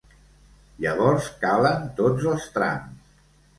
Llavors calen tots els trams.